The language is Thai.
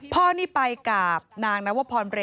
น้องหายแล้วน้องจะตามมา